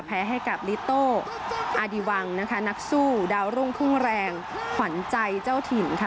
แพ้ให้กับลิโต้อาดีวังนะคะนักสู้ดาวรุ่งพุ่งแรงขวัญใจเจ้าถิ่นค่ะ